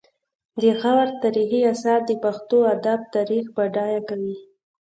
د غور تاریخي اثار د پښتو ادب تاریخ بډایه کوي